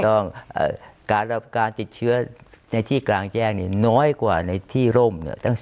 ถูกต้องการติดเชื้อในที่กลางแจ้งน้อยกว่าในที่ร่มตั้ง๑๘เท่า